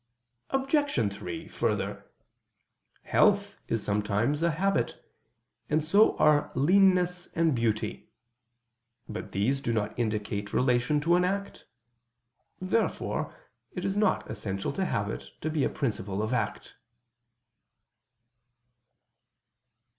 Obj. 3: Further, health is sometimes a habit, and so are leanness and beauty. But these do not indicate relation to an act. Therefore it is not essential to habit to be a principle of act.